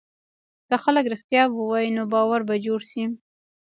که خلک رښتیا ووایي، نو باور به جوړ شي.